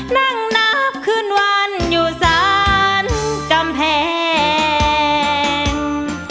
นั่งนับคืนวันอยู่สารกำแพง